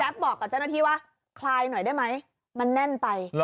บอกกับเจ้าหน้าที่ว่าคลายหน่อยได้ไหมมันแน่นไป